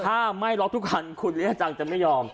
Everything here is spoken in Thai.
ถ้าไม่ล็อกทุกคันคุณลีอาจังจะไม่ยอม